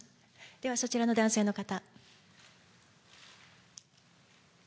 ではそちらの男性の方。